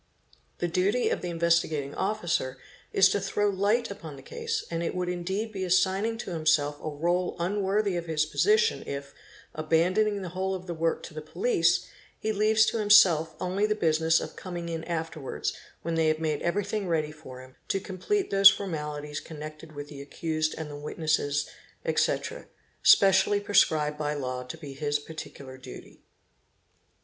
The duty of the Investigating Officer is to throw light upon the case and it would indeed be assigning to himself a rdle unworthy of his position if, abandoning the whole of the work to the police, he leaves to himself only the business of coming in afterwards, when they have made everything ready for him, to complete those for malities connected with the accused and the witnesses, etc., specially prescribed by law to be his particular duty.